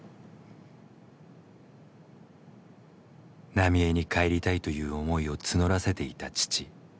浪江に帰りたいという思いを募らせていた父。